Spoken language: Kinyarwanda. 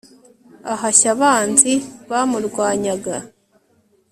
ahashya abanzi bamurwanyaga